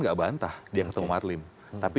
gak bantah dia ketemu marlim tapi